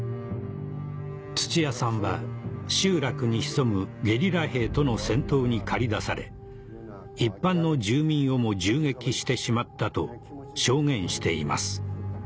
土屋さんは集落に潜むゲリラ兵との戦闘に駆り出され「一般の住民をも銃撃してしまった」と証言しています